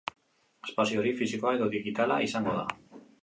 Espazio hori fisikoa edo digitala izango da